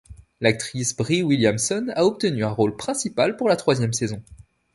L'actrice Bree Williamson a obtenu un rôle principal pour la troisième saison.